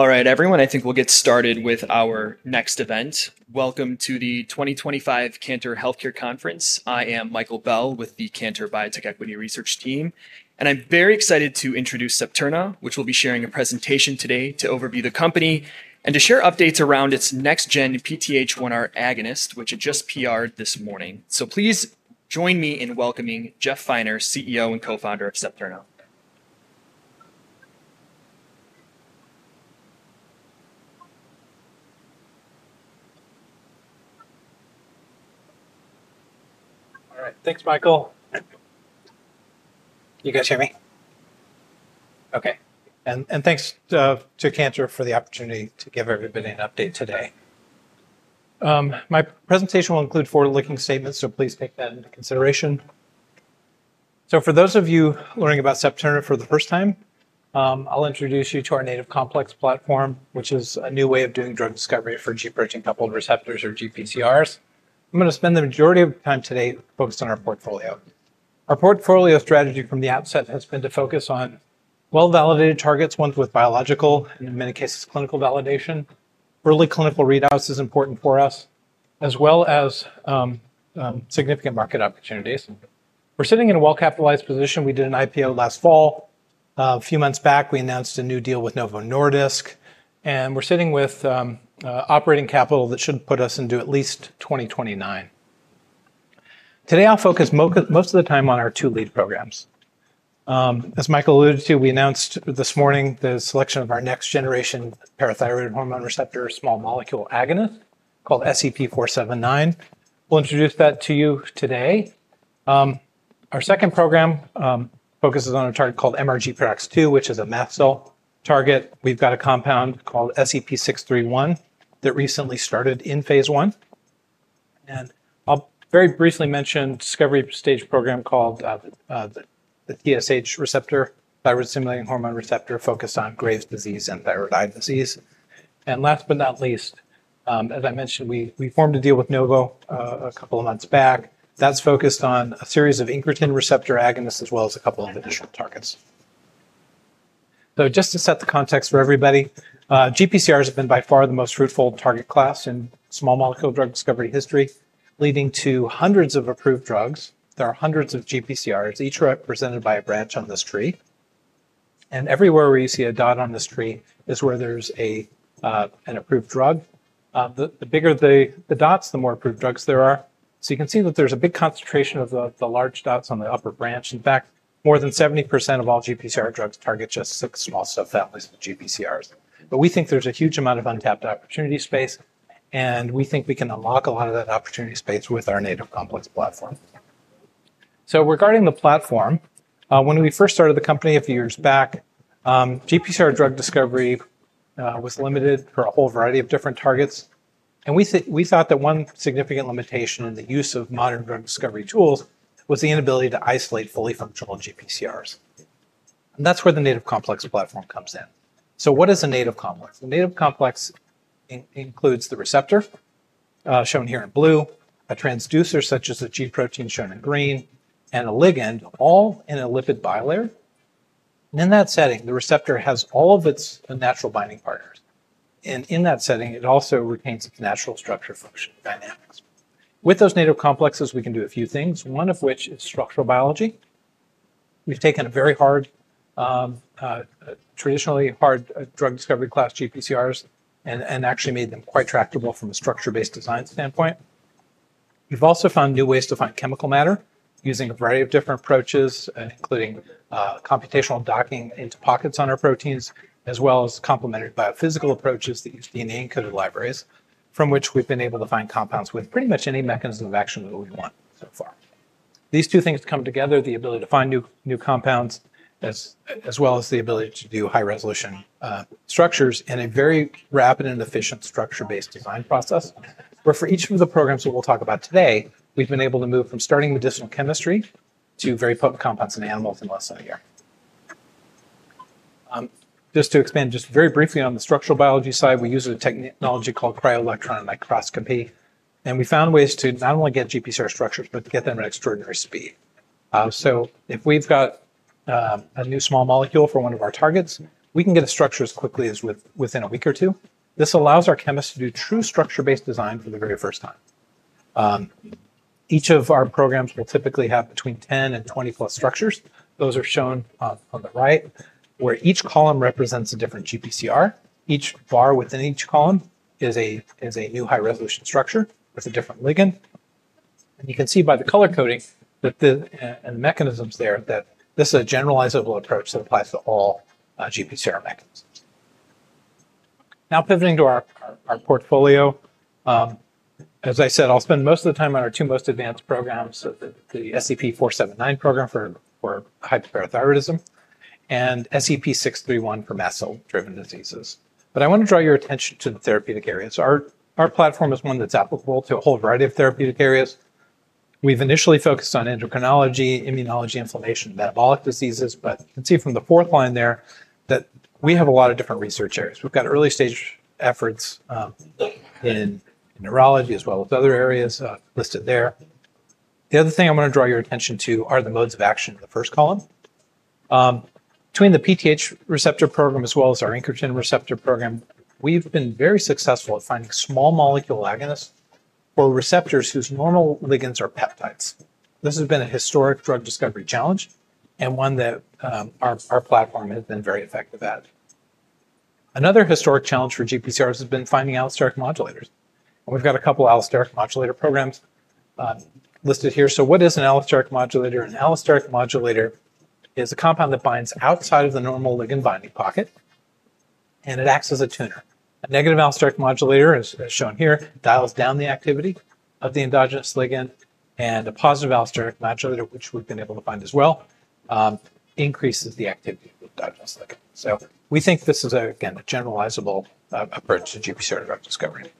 All right, everyone, I think we'll get started with our next event. Welcome to the 2025 Cantor Healthcare Conference. I am Michael Bell with the Cantor Biotech Equity Research Team, and I'm very excited to introduce Septerna, which will be sharing a presentation today to overview the company and to share updates around its next-gen PTH1R agonist, which it just PR'd this morning. So please join me in welcoming Jeff Finer, CEO and co-founder of Septerna. All right, thanks, Michael. Can you guys hear me? Okay. And thanks to Cantor for the opportunity to give everybody an update today. My presentation will include forward-looking statements, so please take that into consideration. So for those of you learning about Septerna for the first time, I'll introduce you to our Native Complex platform, which is a new way of doing drug discovery for G protein coupled receptors, or GPCRs. I'm going to spend the majority of time today focused on our portfolio. Our portfolio strategy from the outset has been to focus on well-validated targets, one with biological and, in many cases, clinical validation. Early clinical readouts are important for us, as well as significant market opportunities. We're sitting in a well-capitalized position. We did an IPO last fall. A few months back, we announced a new deal with Novo Nordisk, and we're sitting with operating capital that should put us into at least 2029. Today, I'll focus most of the time on our two lead programs. As Michael alluded to, we announced this morning the selection of our next-generation parathyroid hormone receptor small molecule agonist called SEP-479. We'll introduce that to you today. Our second program focuses on a target called MRGPRX2, which is a mast cell target. We've got a compound called SEP-631 that recently started in phase one. And I'll very briefly mention a discovery stage program called the TSH receptor, thyroid-stimulating hormone receptor, focused on Graves' disease and thyroid eye disease. and last but not least, as I mentioned, we formed a deal with Novo a couple of months back that's focused on a series of incretin receptor agonists, as well as a couple of additional targets. so just to set the context for everybody, GPCRs have been by far the most fruitful target class in small molecule drug discovery history, leading to hundreds of approved drugs. There are hundreds of GPCRs, each represented by a branch on this tree. and everywhere where you see a dot on this tree is where there's an approved drug. The bigger the dots, the more approved drugs there are. so you can see that there's a big concentration of the large dots on the upper branch. In fact, more than 70% of all GPCR drugs target just six small subfamilies of GPCRs. But we think there's a huge amount of untapped opportunity space, and we think we can unlock a lot of that opportunity space with our Native Complex platform. So regarding the platform, when we first started the company a few years back, GPCR drug discovery was limited for a whole variety of different targets. And we thought that one significant limitation in the use of modern drug discovery tools was the inability to isolate fully functional GPCRs. And that's where the Native Complex platform comes in. So what is a Native Complex? A Native Complex includes the receptor, shown here in blue, a transducer such as a G protein shown in green, and a ligand, all in a lipid bilayer. And in that setting, the receptor has all of its natural binding partners. And in that setting, it also retains its natural structure function dynamics. With those native complexes, we can do a few things, one of which is structural biology. We've taken a very hard, traditionally hard drug discovery class GPCRs and actually made them quite tractable from a structure-based design standpoint. We've also found new ways to find chemical matter using a variety of different approaches, including computational docking into pockets on our proteins, as well as complementary biophysical approaches that use DNA encoded libraries, from which we've been able to find compounds with pretty much any mechanism of action that we want so far. These two things come together: the ability to find new compounds, as well as the ability to do high-resolution structures in a very rapid and efficient structure-based design process. have, for each of the programs that we'll talk about today, been able to move from starting medicinal chemistry to very potent compounds in animals in less than a year. Just to expand just very briefly on the structural biology side, we use a technology called cryo-electron microscopy, and we found ways to not only get GPCR structures, but to get them at extraordinary speed. So if we've got a new small molecule for one of our targets, we can get a structure as quickly as within a week or two. This allows our chemists to do true structure-based design for the very first time. Each of our programs will typically have between 10 and 20 plus structures. Those are shown on the right, where each column represents a different GPCR. Each bar within each column is a new high-resolution structure with a different ligand. You can see by the color coding and the mechanisms there that this is a generalizable approach that applies to all GPCR mechanisms. Now pivoting to our portfolio, as I said, I'll spend most of the time on our two most advanced programs, the SEP-479 program for hyperparathyroidism and SEP-631 for mast cell-driven diseases. But I want to draw your attention to the therapeutic areas. Our platform is one that's applicable to a whole variety of therapeutic areas. We've initially focused on endocrinology, immunology, inflammation, and metabolic diseases, but you can see from the fourth line there that we have a lot of different research areas. We've got early-stage efforts in neurology, as well as other areas listed there. The other thing I want to draw your attention to are the modes of action in the first column. Between the PTH receptor program, as well as our incretin receptor program, we've been very successful at finding small molecule agonists for receptors whose normal ligands are peptides. This has been a historic drug discovery challenge and one that our platform has been very effective at. Another historic challenge for GPCRs has been finding allosteric modulators. We've got a couple of allosteric modulator programs listed here. What is an allosteric modulator? An allosteric modulator is a compound that binds outside of the normal ligand binding pocket, and it acts as a tuner. A negative allosteric modulator, as shown here, dials down the activity of the endogenous ligand, and a positive allosteric modulator, which we've been able to find as well, increases the activity of the endogenous ligand. We think this is, again, a generalizable approach to GPCR drug discovery.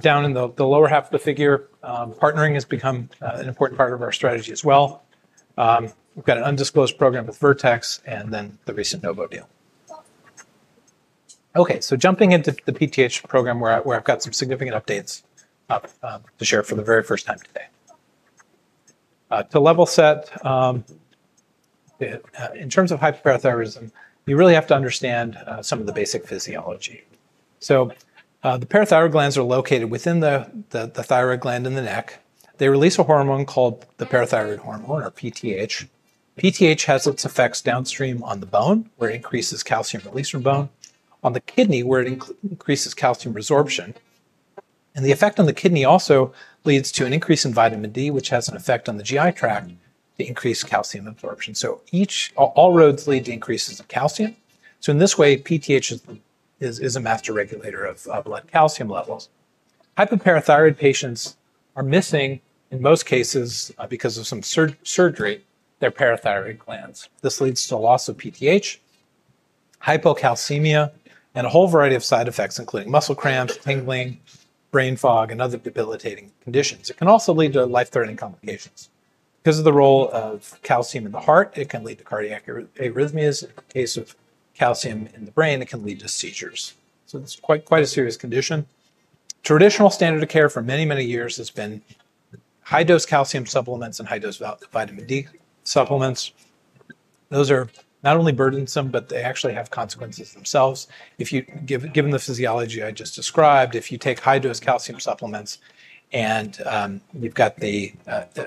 Down in the lower half of the figure, partnering has become an important part of our strategy as well. We've got an undisclosed program with Vertex and then the recent Novo deal. Okay, so jumping into the PTH program, where I've got some significant updates to share for the very first time today. To level set, in terms of hyperparathyroidism, you really have to understand some of the basic physiology. So the parathyroid glands are located within the thyroid gland in the neck. They release a hormone called the parathyroid hormone, or PTH. PTH has its effects downstream on the bone, where it increases calcium release from bone, on the kidney, where it increases calcium resorption. And the effect on the kidney also leads to an increase in vitamin D, which has an effect on the GI tract to increase calcium absorption. So all roads lead to increases of calcium. So in this way, PTH is a master regulator of blood calcium levels. Hypoparathyroid patients are missing, in most cases because of some surgery, their parathyroid glands. This leads to a loss of PTH, hypocalcemia, and a whole variety of side effects, including muscle cramps, tingling, brain fog, and other debilitating conditions. It can also lead to life-threatening complications. Because of the role of calcium in the heart, it can lead to cardiac arrhythmias. In the case of calcium in the brain, it can lead to seizures. So it's quite a serious condition. Traditional standard of care for many, many years has been high-dose calcium supplements and high-dose vitamin D supplements. Those are not only burdensome, but they actually have consequences themselves. Given the physiology I just described, if you take high-dose calcium supplements and you've got the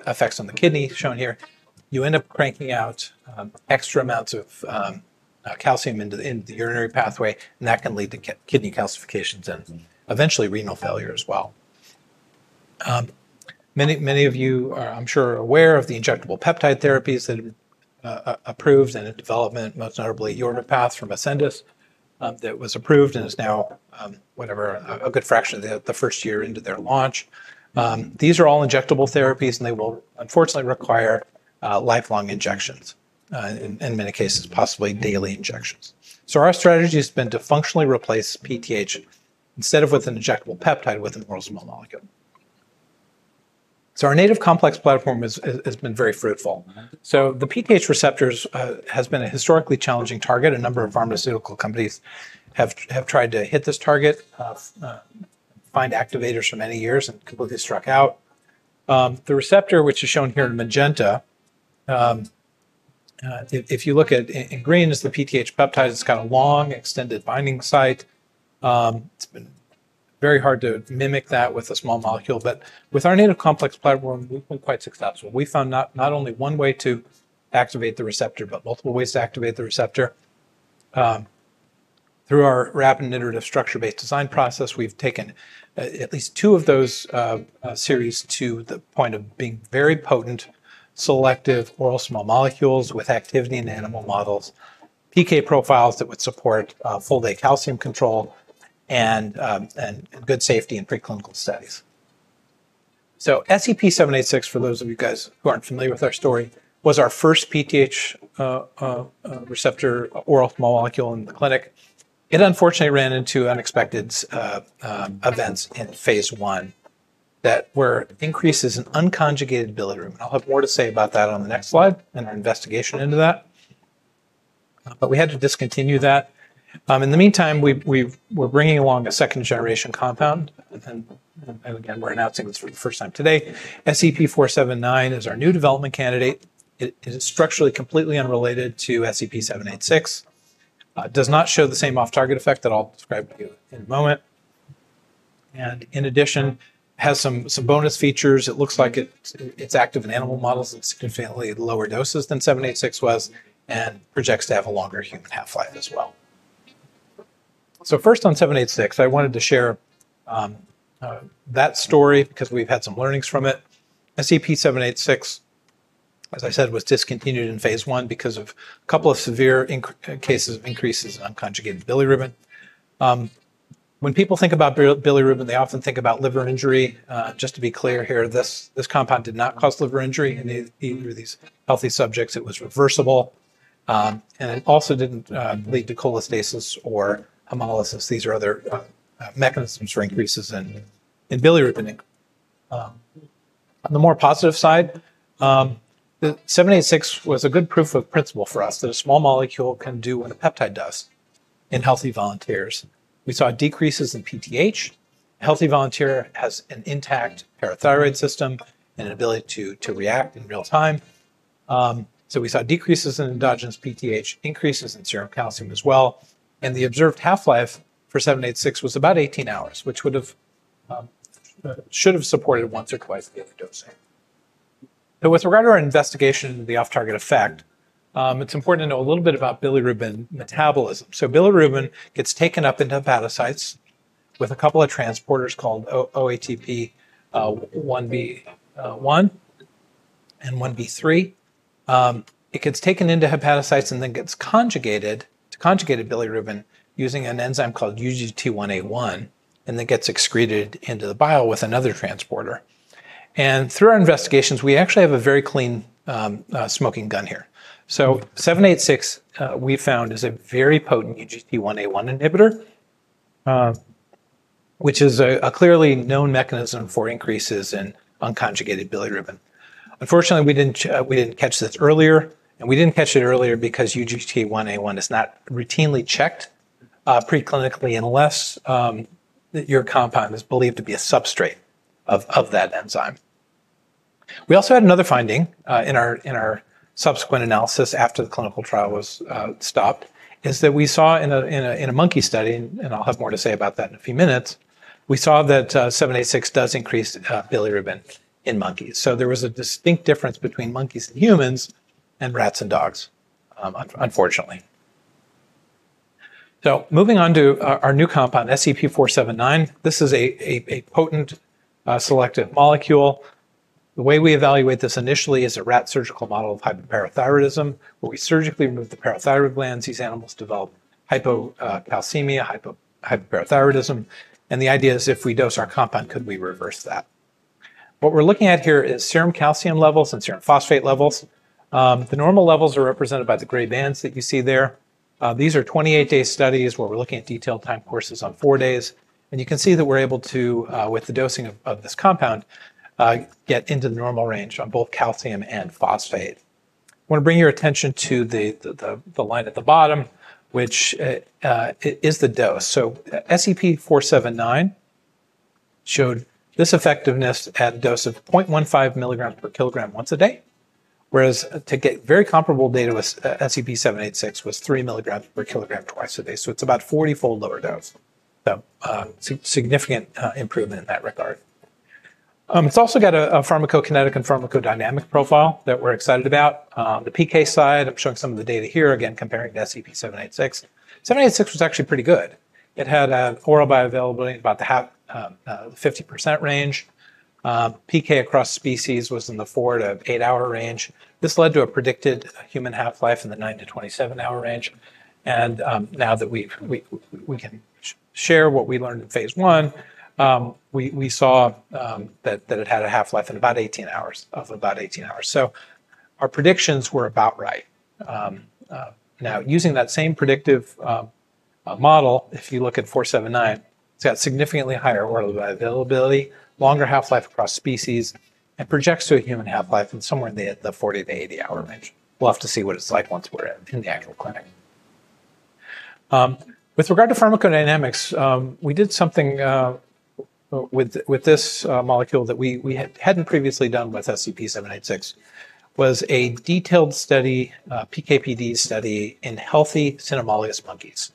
effects on the kidney shown here, you end up cranking out extra amounts of calcium into the urinary pathway, and that can lead to kidney calcifications and eventually renal failure as well. Many of you, I'm sure, are aware of the injectable peptide therapies that have been approved and in development, most notably Yorvipath from Ascendis that was approved and is now, whatever, a good fraction of the first year into their launch. These are all injectable therapies, and they will unfortunately require lifelong injections, in many cases, possibly daily injections. So our strategy has been to functionally replace PTH instead of with an injectable peptide with an oral small molecule. So our Native Complex platform has been very fruitful. So the PTH receptors have been a historically challenging target. A number of pharmaceutical companies have tried to hit this target, find activators for many years, and completely struck out. The receptor, which is shown here in magenta, if you look at it in green, is the PTH peptide. It's got a long extended binding site. It's been very hard to mimic that with a small molecule. But with our Native Complex platform, we've been quite successful. We found not only one way to activate the receptor, but multiple ways to activate the receptor. Through our rapid iterative structure-based design process, we've taken at least two of those series to the point of being very potent selective oral small molecules with activity in animal models, PK profiles that would support full-day calcium control and good safety in preclinical studies. SEP-786, for those of you guys who aren't familiar with our story, was our first PTH receptor oral small molecule in the clinic. It, unfortunately, ran into unexpected events in phase 1 that were increases in unconjugated bilirubin. I'll have more to say about that on the next slide and our investigation into that. But we had to discontinue that. In the meantime, we're bringing along a second-generation compound. And again, we're announcing this for the first time today. SEP-479 is our new development candidate. It is structurally completely unrelated to SEP-786. It does not show the same off-target effect that I'll describe to you in a moment. And in addition, it has some bonus features. It looks like it's active in animal models at significantly lower doses than 786 was and projects to have a longer human half-life as well. So first on 786, I wanted to share that story because we've had some learnings from it. SEP-786, as I said, was discontinued in phase one because of a couple of severe cases of increases in unconjugated bilirubin. When people think about bilirubin, they often think about liver injury. Just to be clear here, this compound did not cause liver injury in either of these healthy subjects. It was reversible. And it also didn't lead to cholestasis or hemolysis. These are other mechanisms for increases in bilirubin. On the more positive side, 786 was a good proof of principle for us that a small molecule can do what a peptide does in healthy volunteers. We saw decreases in PTH. A healthy volunteer has an intact parathyroid system and an ability to react in real time. So we saw decreases in endogenous PTH, increases in serum calcium as well. The observed half-life for 786 was about 18 hours, which should have supported once or twice daily dosing. With regard to our investigation of the off-target effect, it's important to know a little bit about bilirubin metabolism. Bilirubin gets taken up into hepatocytes with a couple of transporters called OATP1B1 and OATP1B3. It gets taken into hepatocytes and then gets conjugated to conjugated bilirubin using an enzyme called UGT1A1, and then gets excreted into the bile with another transporter. Through our investigations, we actually have a very clean smoking gun here. 786, we found, is a very potent UGT1A1 inhibitor, which is a clearly known mechanism for increases in unconjugated bilirubin. Unfortunately, we didn't catch this earlier. We didn't catch it earlier because UGT1A1 is not routinely checked preclinically unless your compound is believed to be a substrate of that enzyme. We also had another finding in our subsequent analysis after the clinical trial was stopped, is that we saw in a monkey study, and I'll have more to say about that in a few minutes, we saw that SEP-786 does increase bilirubin in monkeys, so there was a distinct difference between monkeys and humans and rats and dogs, unfortunately, so moving on to our new compound, SEP-479. This is a potent selective molecule. The way we evaluate this initially is a rat surgical model of hypoparathyroidism, where we surgically remove the parathyroid glands. These animals develop hypocalcemia, hypoparathyroidism. And the idea is if we dose our compound, could we reverse that? What we're looking at here is serum calcium levels and serum phosphate levels. The normal levels are represented by the gray bands that you see there. These are 28-day studies where we're looking at detailed time courses on four days. You can see that we're able to, with the dosing of this compound, get into the normal range on both calcium and phosphate. I want to bring your attention to the line at the bottom, which is the dose. SEP-479 showed this effectiveness at a dose of 0.15 milligrams per kilogram once a day, whereas to get very comparable data with SEP-786 was three milligrams per kilogram twice a day. It's about 40-fold lower dose. Significant improvement in that regard. It's also got a pharmacokinetic and pharmacodynamic profile that we're excited about. The PK side, I'm showing some of the data here, again, comparing to SEP-786. 786 was actually pretty good. It had oral bioavailability in about the 50% range. PK across species was in the four- to eight-hour range. This led to a predicted human half-life in the 9-27-hour range. Now that we can share what we learned in phase 1, we saw that it had a half-life in about 18 hours of about 18 hours. Our predictions were about right. Now, using that same predictive model, if you look at SEP-479, it's got significantly higher oral bioavailability, longer half-life across species, and projects to a human half-life in somewhere in the 40-80-hour range. We'll have to see what it's like once we're in the actual clinic. With regard to pharmacodynamics, we did something with this molecule that we hadn't previously done with SEP-786, was a detailed study, PKPD study in healthy cynomolgus monkeys.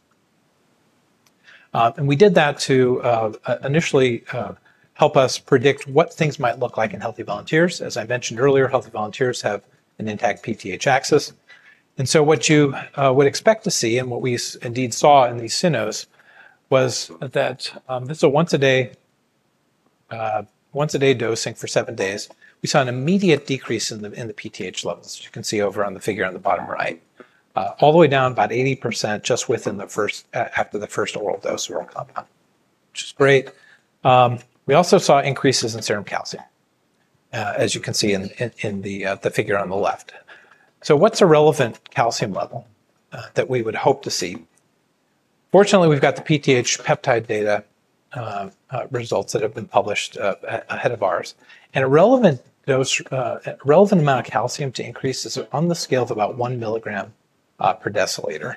We did that to initially help us predict what things might look like in healthy volunteers. As I mentioned earlier, healthy volunteers have an intact PTH axis. What you would expect to see and what we indeed saw in these cynos was that this is a once-a-day dosing for seven days. We saw an immediate decrease in the PTH levels, as you can see over on the figure on the bottom right, all the way down about 80% just after the first oral dose of our compound, which is great. We also saw increases in serum calcium, as you can see in the figure on the left. What's a relevant calcium level that we would hope to see? Fortunately, we've got the PTH peptide data results that have been published ahead of ours. A relevant amount of calcium to increase is on the scale of about one milligram per deciliter.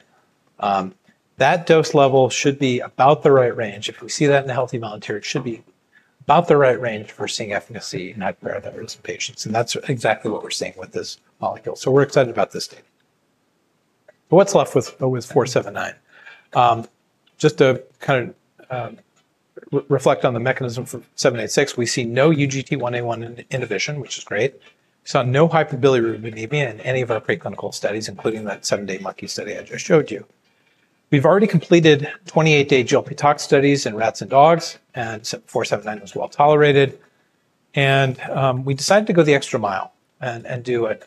That dose level should be about the right range. If we see that in a healthy volunteer, it should be about the right range for seeing efficacy in hyperparathyroidism patients, and that's exactly what we're seeing with this molecule, so we're excited about this data, but what's left with 479? Just to kind of reflect on the mechanism for 786, we see no UGT1A1 inhibition, which is great. We saw no hyperbilirubinemia in any of our preclinical studies, including that seven-day monkey study I just showed you. We've already completed 28-day GLP-tox studies in rats and dogs, and 479 was well tolerated, and we decided to go the extra mile and do an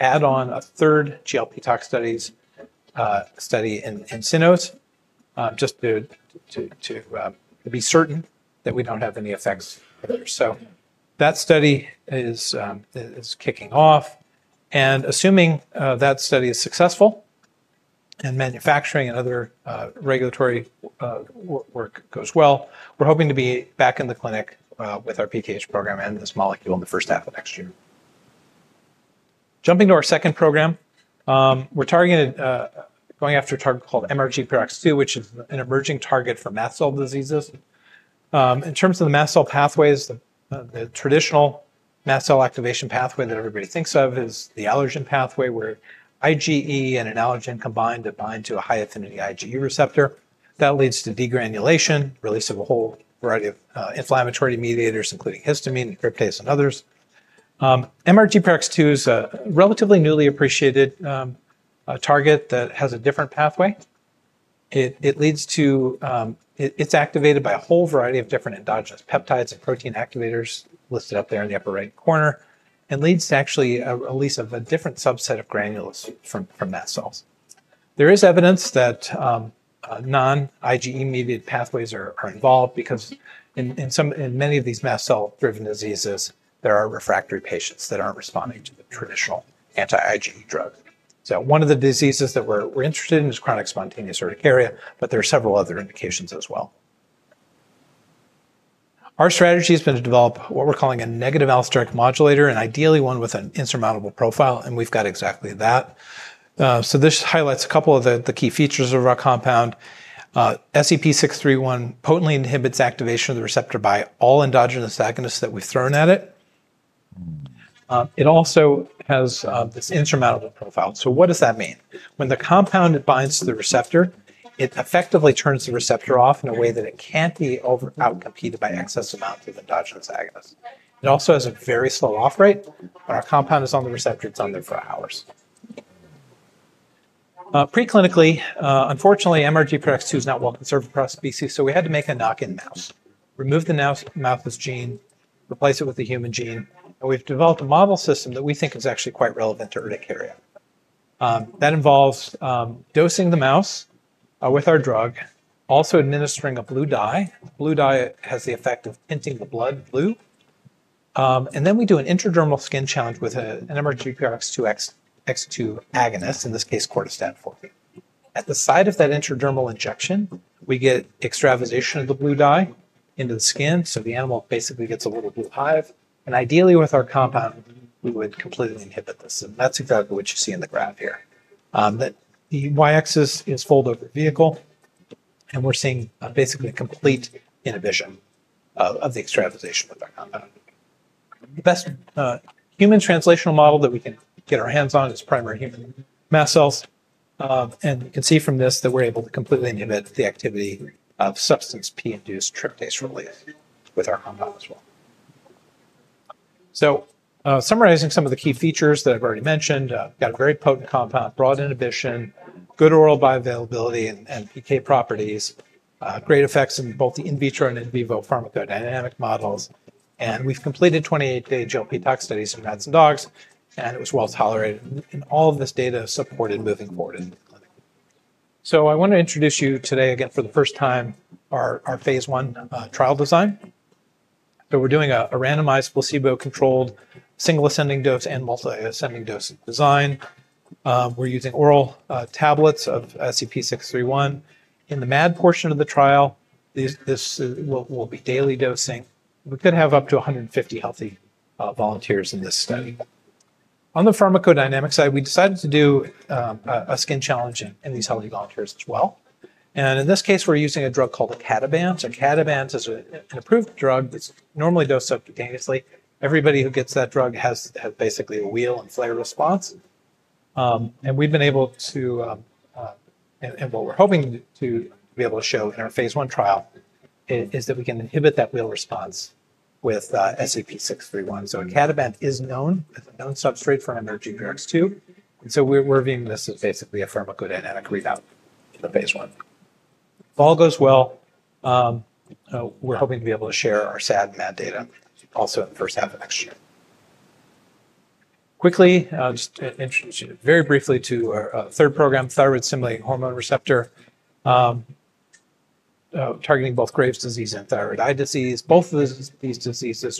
add-on, a third GLP-tox study in cynos just to be certain that we don't have any effects there, so that study is kicking off. Assuming that study is successful and manufacturing and other regulatory work goes well, we're hoping to be back in the clinic with our PTH program and this molecule in the first half of next year. Jumping to our second program, we're targeting going after a target called MRGPRX2, which is an emerging target for mast cell diseases. In terms of the mast cell pathways, the traditional mast cell activation pathway that everybody thinks of is the allergen pathway, where IgE and an allergen combined bind to a high-affinity IgE receptor. That leads to degranulation, release of a whole variety of inflammatory mediators, including histamine, tryptase, and others. MRGPRX2 is a relatively newly appreciated target that has a different pathway. It is activated by a whole variety of different endogenous peptides and protein activators listed up there in the upper right corner and leads to actually a release of a different subset of granules from mast cells. There is evidence that non-IgE-mediated pathways are involved because in many of these mast cell-driven diseases, there are refractory patients that aren't responding to the traditional anti-IgE drug, so one of the diseases that we're interested in is chronic spontaneous urticaria, but there are several other indications as well. Our strategy has been to develop what we're calling a negative allosteric modulator, and ideally one with an insurmountable profile, and we've got exactly that. This highlights a couple of the key features of our compound. SEP-631 potently inhibits activation of the receptor by all endogenous agonists that we've thrown at it. It also has this insurmountable profile. So what does that mean? When the compound binds to the receptor, it effectively turns the receptor off in a way that it can't be outcompeted by excess amounts of endogenous agonists. It also has a very slow off-rate. When our compound is on the receptor, it's on there for hours. Preclinically, unfortunately, MRGPRX2 is not well conserved across species, so we had to make a knock-in mouse, remove the mouse's gene, replace it with a human gene. And we've developed a model system that we think is actually quite relevant to urticaria. That involves dosing the mouse with our drug, also administering a blue dye. The blue dye has the effect of tinting the blood blue. And then we do an intradermal skin challenge with an MRGPRX2 agonist, in this case, Compound 48/80. At the site of that intradermal injection, we get extravasation of the blue dye into the skin, so the animal basically gets a little blue hive, and ideally, with our compound, we would completely inhibit this, and that's exactly what you see in the graph here. The Y-axis is fold over vehicle, and we're seeing basically complete inhibition of the extravasation with our compound. The best human translational model that we can get our hands on is primary human mast cells, and you can see from this that we're able to completely inhibit the activity of substance P-induced tryptase release with our compound as well, so summarizing some of the key features that I've already mentioned, we've got a very potent compound, broad inhibition, good oral bioavailability and PK properties, great effects in both the in vitro and in vivo pharmacodynamic models. We've completed 28-day GLP-tox studies in rats and dogs, and it was well tolerated. All of this data is supported moving forward in the clinic. I want to introduce you today, again, for the first time, our phase 1 trial design. We're doing a randomized placebo-controlled single ascending dose and multi-ascending dose design. We're using oral tablets of SEP-631 in the MAD portion of the trial. This will be daily dosing. We could have up to 150 healthy volunteers in this study. On the pharmacodynamic side, we decided to do a skin challenge in these healthy volunteers as well. In this case, we're using a drug called Icatibant. Icatibant is an approved drug that's normally dosed subcutaneously. Everybody who gets that drug has basically a wheal and flare response. And we've been able to, and what we're hoping to be able to show in our phase one trial is that we can inhibit that wheal response with SEP-631. So Icatibant is known as a known agonist for MRGPRX2. And so we're viewing this as basically a pharmacodynamic readout in the phase one. If all goes well, we're hoping to be able to share our SAD and MAD data also in the first half of next year. Quickly, just introduce you very briefly to our third program, thyroid-stimulating hormone receptor, targeting both Graves' disease and thyroid eye disease. Both of these diseases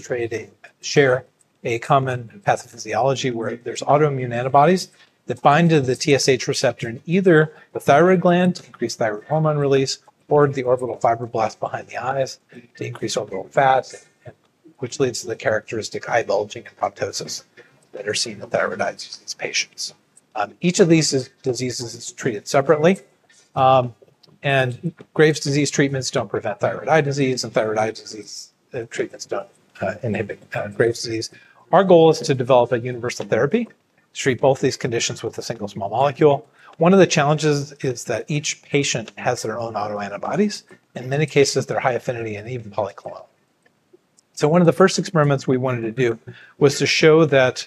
share a common pathophysiology where there's autoantibodies that bind to the TSH receptor in either the thyroid gland to increase thyroid hormone release or the orbital fibroblast behind the eyes to increase orbital fat, which leads to the characteristic eye bulging and proptosis that are seen in thyroid eye disease in these patients. Each of these diseases is treated separately. Graves' disease treatments don't prevent thyroid eye disease, and thyroid eye disease treatments don't inhibit Graves' disease. Our goal is to develop a universal therapy to treat both these conditions with a single small molecule. One of the challenges is that each patient has their own autoantibodies. In many cases, they're high affinity and even polyclonal. So one of the first experiments we wanted to do was to show that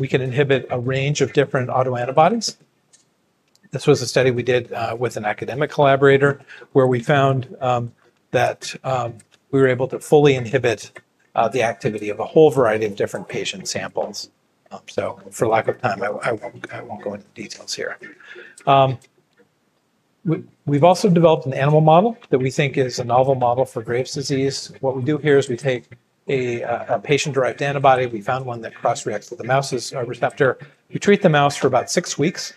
we can inhibit a range of different autoantibodies. This was a study we did with an academic collaborator where we found that we were able to fully inhibit the activity of a whole variety of different patient samples. So for lack of time, I won't go into the details here. We've also developed an animal model that we think is a novel model for Graves' disease. What we do here is we take a patient-derived antibody. We found one that cross-reacts with the mouse's receptor. We treat the mouse for about six weeks.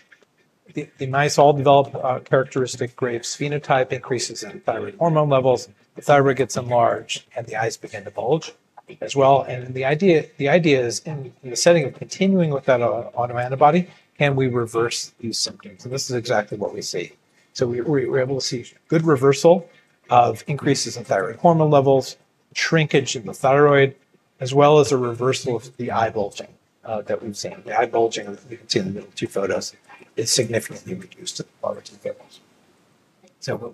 The mice all develop characteristic Graves' phenotype, increases in thyroid hormone levels. The thyroid gets enlarged, and the eyes begin to bulge as well. And the idea is, in the setting of continuing with that autoantibody, can we reverse these symptoms? And this is exactly what we see. We were able to see good reversal of increases in thyroid hormone levels, shrinkage in the thyroid, as well as a reversal of the eye bulging that we've seen. The eye bulging that you can see in the middle of two photos is significantly reduced in the larger samples.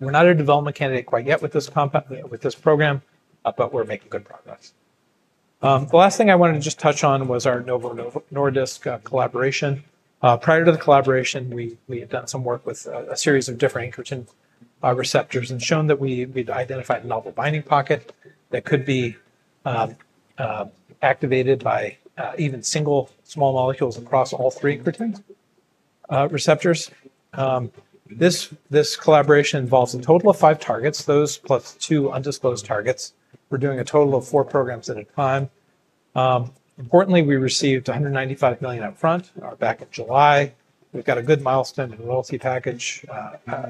We're not a development candidate quite yet with this program, but we're making good progress. The last thing I wanted to just touch on was our Novo Nordisk collaboration. Prior to the collaboration, we had done some work with a series of different incretin receptors and shown that we'd identified a novel binding pocket that could be activated by even single small molecules across all three incretin receptors. This collaboration involves a total of five targets, those plus two undisclosed targets. We're doing a total of four programs at a time. Importantly, we received $195 million upfront back in July. We've got a good milestone in the royalty package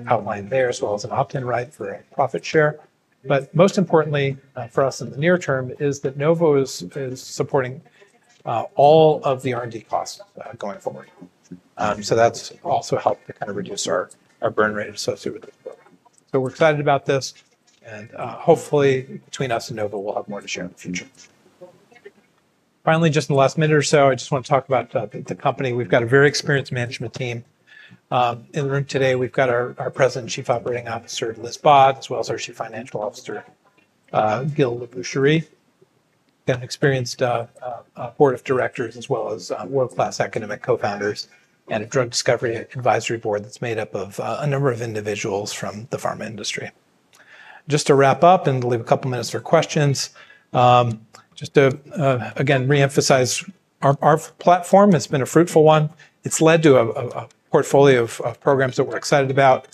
outlined there, as well as an opt-in right for a profit share, but most importantly for us in the near term is that Novo is supporting all of the R&D costs going forward. So that's also helped to kind of reduce our burn rate associated with this program. So we're excited about this, and hopefully, between us and Novo, we'll have more to share in the future. Finally, just in the last minute or so, I just want to talk about the company. We've got a very experienced management team in the room today. We've got our President, Chief Operating Officer, Liz Bhatt, as well as our Chief Financial Officer, Gill Labrucherie. We've got an experienced board of directors, as well as world-class academic co-founders and a drug discovery advisory board that's made up of a number of individuals from the pharma industry. Just to wrap up and leave a couple of minutes for questions, just to again reemphasize, our platform has been a fruitful one. It's led to a portfolio of programs that we're excited about,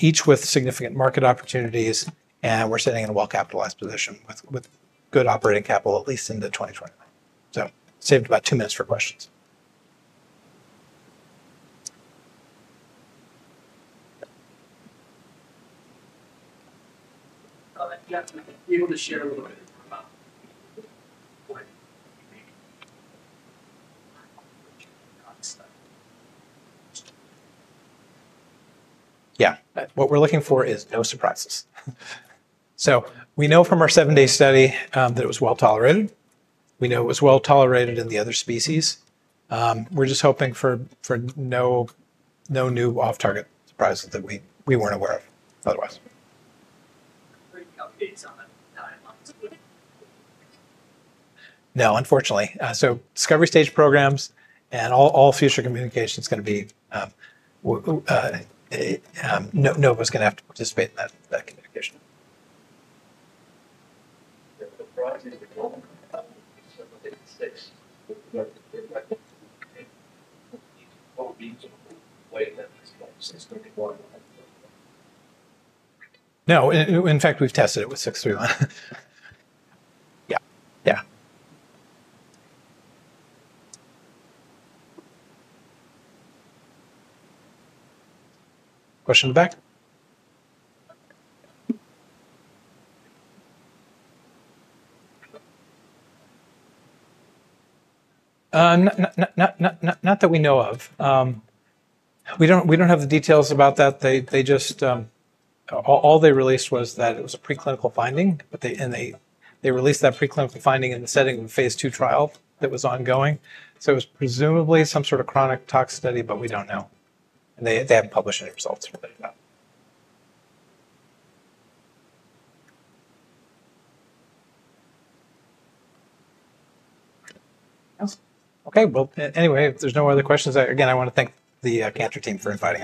each with significant market opportunities. And we're sitting in a well-capitalized position with good operating capital, at least into 2029. So saved about two minutes for questions. Yeah. What we're looking for is no surprises. So we know from our seven-day study that it was well tolerated. We know it was well tolerated in the other species. We're just hoping for no new off-target surprises that we weren't aware of otherwise. No, unfortunately. So, discovery stage programs and all future communication is going to be Novo is going to have to participate in that communication. No. In fact, we've tested it with 631. Yeah. Yeah. Question in the back? Not that we know of. We don't have the details about that. All they released was that it was a preclinical finding, and they released that preclinical finding in the setting of a phase two trial that was ongoing. So it was presumably some sort of chronic tox study, but we don't know. And they haven't published any results related to that. Okay. Well, anyway, if there's no other questions, again, I want to thank the Cantor team for inviting.